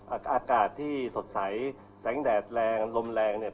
อากาศที่สดใสแสงแดดแรงลมแรงเนี่ย